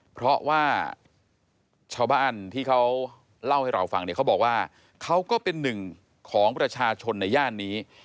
เพราะว่าชาวบ้านที่เขาเล่าให้เราฟังเนี่ยเขาบอกว่าเขาก็เป็นหนึ่งของประชาชนในย่านนี้